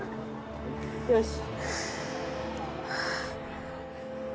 よし。